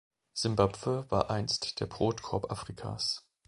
Simbabwe war einst der Brotkorb Afrikas.